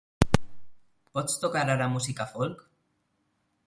Pots tocar ara música folk?